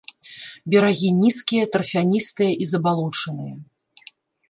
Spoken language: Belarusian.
Берагі нізкія, тарфяністыя і забалочаныя.